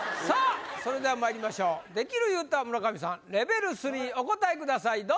さあそれではまいりましょうできる言うた村上さんレベル３お答えください